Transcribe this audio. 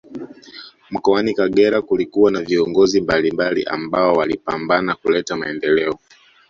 Mkoani kagera kulikuwa na viongozi mbalimbali ambao walipambana kuleta maendeleo